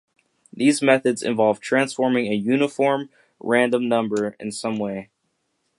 These methods involve transforming a uniform random number in some way.